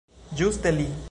Ĝuste li!